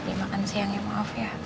dimakan siang ya maaf ya